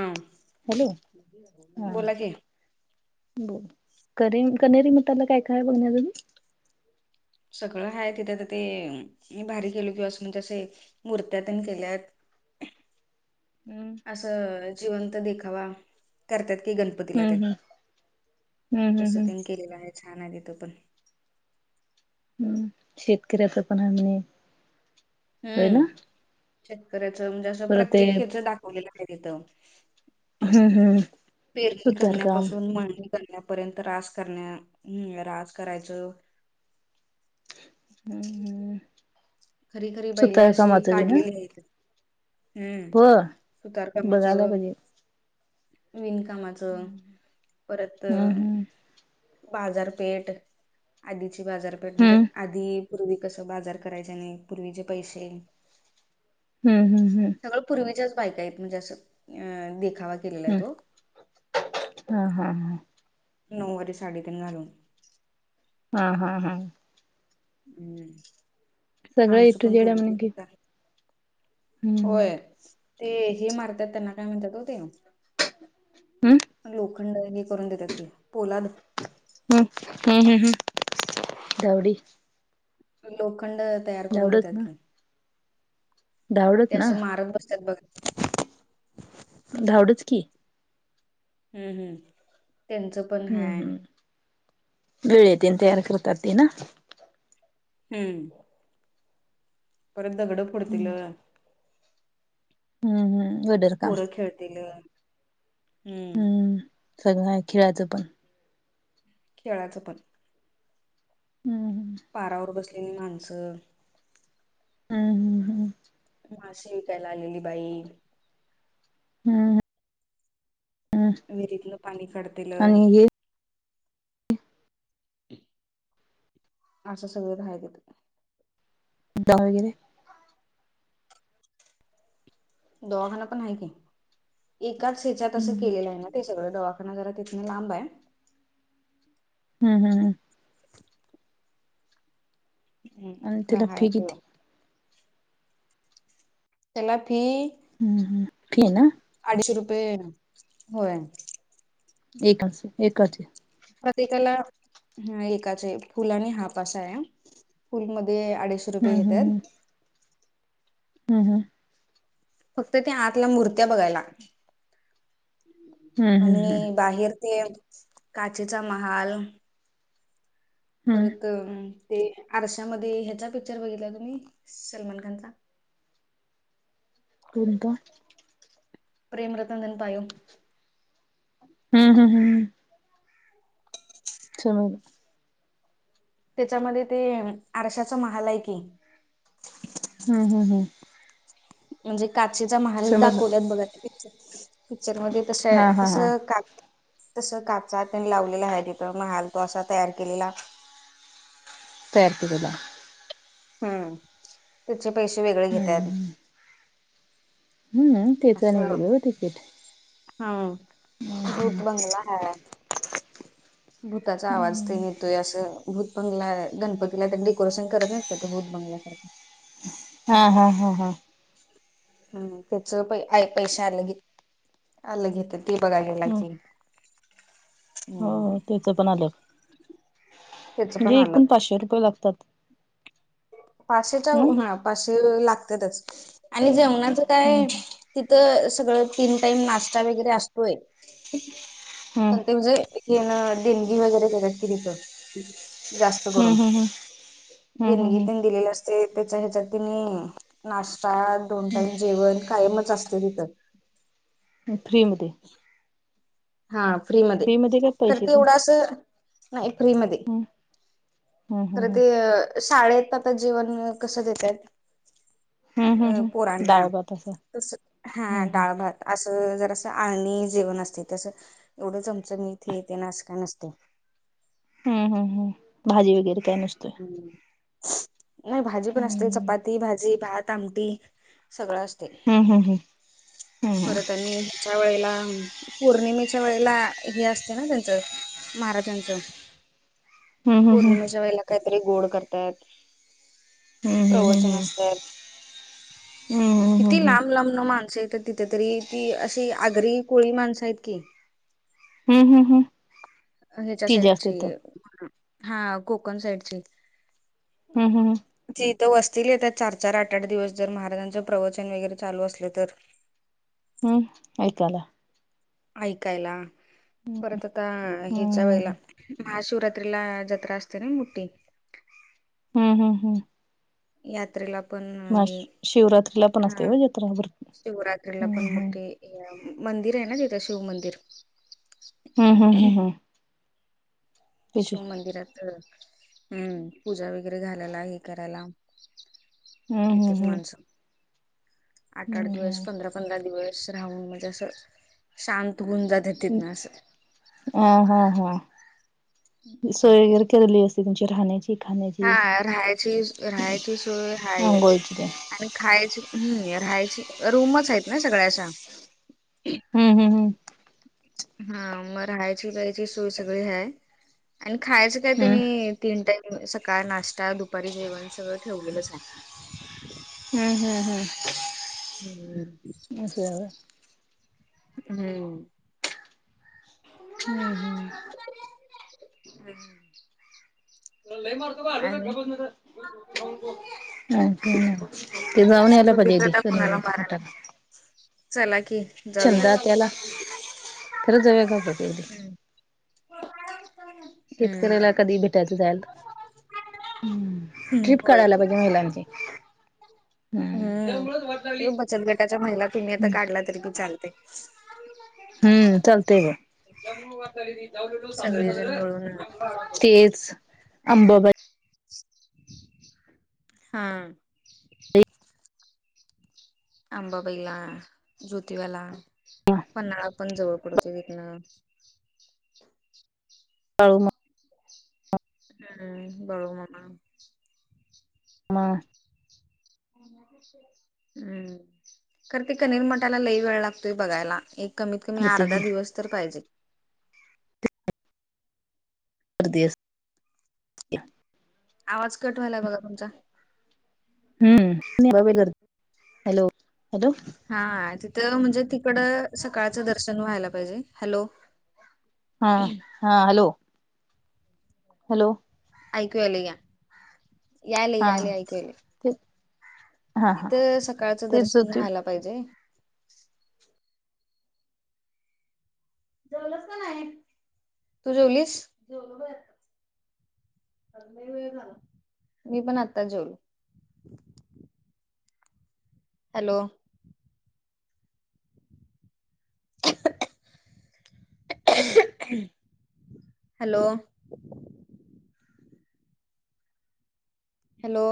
हा हॅलो हा बोला की बोल कर कनेरी म त्याला काय काय बघण्या सगळं हाय तिथे तर ते भारी गेलो किंवा अस म्हणजे असे मूर्त्या त्यांनी केल्या आहेत हम्म असं जिवंत देखावा करतात किी गणप हम्म हम् हम्म हम्म तसं हम्म तेन केलेलं आहे छान आहे त तो पण हम्म शेतकऱ्याच पण आ हम्म शेतकऱ्याच म्हणजे असं परत ते प्रत्येक ह्याच दाखवलेलं आहे तथं हम्म हम्म सुतार का करण्यापासून मळणी करण्यापर्यंत रास करण्या रास करायचं हम्म खरी खरी बैला अशी सुतारकामाचं बी ना काढलेली आहेत हम्म हो सुतार बघायला कामाचं पाहिजे विनकामाच परत हम्म हम्म बाजारपेठ आधीची बाजारपेठ म्हणजे हम्म आधी पूर्वी कसं बाजार करायचे नाही पूर्वीचे पैसे हम्म हम् हम् सगळं पूर्वीच्याच बायक आहेत म्हणजे असं देखावा केलेला आहे हम्म तो हा हा हा नऊ वाे साडेतीन घालून हा हा हा हम्म सगळ्या माणसं हेतू पण जेड्या म्हण पूर्वीची की करतात हम्म होय ते हे मारतात त्यांना काय म्हणतात होते हं लोखंड हे करून देतात की पोलाद हम्म हम्म हम् हम् जावडी लोखंड तयार करून धावडच देतात ना की धावडच ते ना असं मारग बसतात बघ धावडच की हम्म हम् त्यांचं पण हम्म हाय हम् वेळ येत तयार करतात ते ना हम्म पर द गड पुतील हम्म हम्म हम्म वटरका पोरं खेळतील हम्म सगळं खेळायचं पण खेळाचं पण हम्म पारावर बसलेली माणसं हम् हम् हम् माशी विकायला आलेली बाई हम ह विहिरीतन पाणी काढतीललं आणि हे असं सगळे राहायेत द वगैरे दवाखाना पण आहे की एकाच शेच्याात असं हम्म केलेलं आहे ना ते सगळं दवाखा जरा तिं लांब आहे हम् हम हम ह् आणि खरा त्याला फी आहेो किती त्याला फी हम्म हम् फ ना अडीचशे रुपये होय एकच एकच प्रतेकाला ह एकाचे फुलाने हाप असा आहे फूलमध्ये अडीचशे रुपये हम्म घेतात हम हम फक्त त्या आतला मूर्त्या बघायला लागत हम्म हम्म आणि बाहेर ते काचेचा महाल हम्म परत ते आरशामध्ये ह्याचा पिक्चर बघितला तुम्ही सलमान खानचा को का प्रेम रतन धन पायो हूं हूं हूं चमायला त्याच्यामध्ये ते आरश्याचं महाल हाय की हूं हूं हूं म्हणजे काचेचा महाल समजलं दाखवल्यात बघा ते पिक्चर पिक्चर मध्ये तस हा हा हा तसं काच तस काचा त्यानं लावलेला आहे तिथं महाल तो असा तयार केलेला. तयार केलेला. हम्म त्याचे पैसे वेगळे घेत्यात. हूं हूं त्यांच आणि असं वेगळं का तिकीट हम्म भूत बंगला हाय भूताचा आवाज तेण येतोय असं भूत बंगला गणपतीला ते डेकोरेशन करत नाहीत का ते भूत बंगल्यासारखं हा हा हा हा. हम्म त्याच प पैसे आलंग ये आलंग घेटात ते बघाये गेलेला हम्म की हम्म हं त्याच पण आलंग त्याच पण म्हणजे आलं एकूण पाचशे रुपये लागतात. पाचशेच्या ना हा पाचशे लागतातच आणि जेवणाचं हम्म काय तीत त सगळ तीन टाईम नाश्ता वगैरे असतोय हम्म [unintelligible] तेन देणगी वगैरे देतात कि तीथ जास्त हम्म करून हम्म हम्म हम्म देणगी हम्म दिलेलं असतय त्याच्या ह्याच्या तिनी नास्ता दोन टाइम जेवण कायमच अस [unintelligible] फ्रीमध्ये हा फ्री मध्ये काय खर पैसे ते देऊन एवढं अस नाही फ्री मध्ये हम्म खरं ते हम्म शाळेत आता जेवन कसं देतात. हम्म अ हम्म हम्म पोराना डाळ भात असं तस हा हम्म हम्म डाळ भात असं जरास असं आळणी जेवण असत ते असं एवढं चमचमीत हें ते असं काय नसत. हम्म हम्म हम्म भाजी वगैरे काय नसतोय. नाही भाजी पण असते हम्म चपाती भाजी भात तामटी सगळं असतय. हम्म हम्म हम्म परत आणि ह्याच्या वेळेला पौर्णिमेच्या वेळेला हे असते ना त्यांचं महाराजांचं हम्म हम्म हम्म पौर्णिमेच्या वेळेला काहीतरी गोड करतात. हम्म हम्म हम्म प्रवचन असत्यात हम्म हम्म किती हम्म लांब लांबन माणसं येत्यात. तिथे तरी ती अशी आगरी कोळी माणसं आहेत की हम्म हम्म हम्म ह्याच्या ती जास्त साईडची येतात हा कोकण साईडची हूं हूं हूं ती इथं वस्तीला येतात चार चार आठ आठ दिवस जर महाराजांचं प्रवचन वगैरे चालू असलं तर हम्म ऐकायला. ऐकायला परत आता ह्याच्या हम्म वेळेला हम्म महाशिवरात्री ला जत्रा असते ना मोठी हम् हम् हम् यात्रेला पण म हे शिवरात्रीला पण असते हा व्हय यात्र भर शिवरात्रीला पण मोठे मंदिर आहे ना तिथं शिव मंदिर हूं हूं हूं हम्म त्याची शिव मंदिरात अ पूजा वगैरे घालायला हे करायला. हम्म येत्यात हम्म माणस आठ आठ हम्म दिवस हम्म पंधरा पंधरा दिवस राहून म्हणजे असं शांत होऊन जाते तिथ ना असं अ हा हा असं सोय वगैरे केलेली असते तुमची राहण्याची हा खाण्याची. राहायची राहायची सोय हायच आंघोळची तेन आणि खायची हम्म राहायची रूमच आहेत ना सगळ्याशा हम् हम् हम हा मग राहायची प्यायची सोय सगळी ह्याय आणि खायचं काय हम्म. तनी तीन टाइम सकाळ नाश्ता दुपारी जेवण सगळं ठेवलेलंच आहे हम्म हम्म हम्म हम्म असं आहे होय. हम्म ह ह ह आणि अ ते सामने आला सुधीर पाजा दादा क कुणाला मोटला मारायलाय? चला की जाऊया. छंद त्याला खरंच जावे का बघी हम्म शेतकऱ्याला कधी भेटायच जाईल ह हम्म ट्रिप होय काढायला की. पाहिजे महिलांची हम्म हम्म बचत गटाच्या महिला तुम्ही आता काढला तरी बी चालते हम्म लते सगळेजण ग मिळून तेज अंबाबती हा आंबाबाईला ज्योतिव्याला पन्हाळा पण जवळ पडवत तथनं पाळू म हम्म बरो म म ह हम्म कर ते कनीरमट्याला लई वेळ लागतोय बघायला एक कमीत कमी होते अर्धा की दिवस तर पाहिजे करदी अस आवाज कट व्हालाय बघा तुमचा. हम्म हॅलो हॅलो. हा तिथं म्हणजे तिकडं सकाळचं दर्शन व्हायला पाहिजे हॅलो हा हा हॅलो हॅलो अऐकूयले या याले याले अऐकूले. ख तिथं सकाळचं दर्शन होते व्हायला पाहिजे. जेवलस का नाही तू जेवलीस मी पण आत्ता जेवल hello hello hello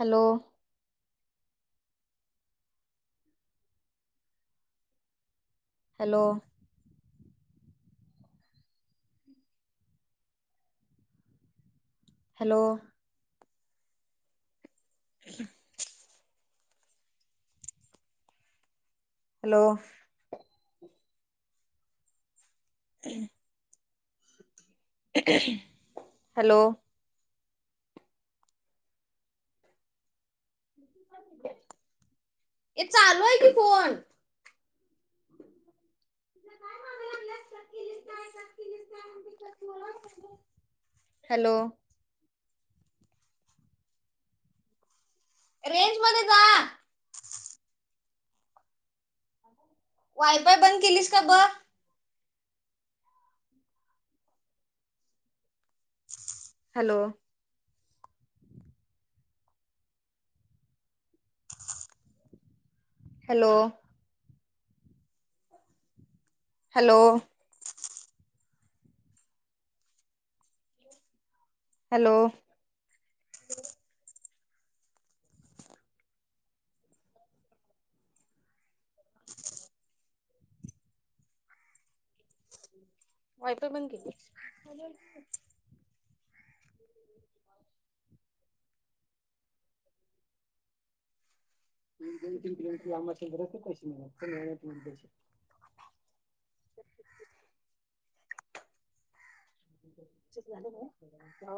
hello hello hello ह हॅलो हम् हॅलो हे चालू आहे कि फोन ते काय मगल्यास केलीस काय काय हॅलो रेंज मध्ये जा. वायफाय बंद केलीस का ब. Hello hello hello hello wiper बंद केली दन तीन किलोमीटर आम्हाच्यार कशी मिळ झालं ना